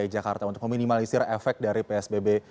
dki jakarta untuk meminimalisir efek dari psbb